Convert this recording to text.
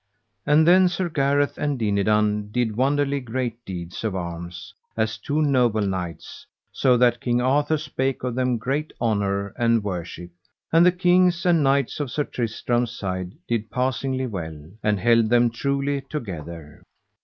And then Sir Gareth and Dinadan did wonderly great deeds of arms, as two noble knights, so that King Arthur spake of them great honour and worship; and the kings and knights of Sir Tristram's side did passingly well, and held them truly together.